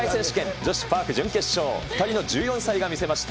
女子パーク準決勝、２人の１４歳が見せました。